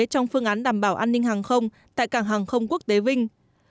trong phương án đảm bảo an ninh hàng không tại cảng hàng không quốc tế vinh